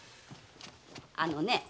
あのね